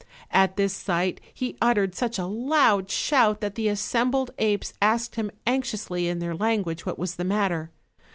At this sight he uttered such a loud shout that the assembled apes asked him anxiously in their language what was the matter.